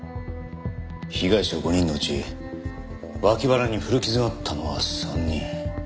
被害者５人のうち脇腹に古傷があったのは３人。